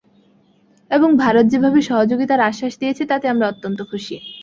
এবং ভারত যেভাবে সহযোগিতার আশ্বাস দিয়েছে তাতে আমরা অত্যন্ত খুশি।